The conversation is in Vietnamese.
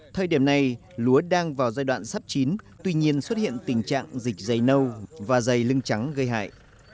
thời điểm này lúa đang vào giai đoạn sắp chín tuy nhiên xuất hiện tình trạng dịch dày nâu và dày lưng trắng gây hại